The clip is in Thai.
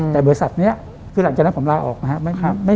แต่บริษัทนี้คือหลังจากนั้นผมลาออกนะครับ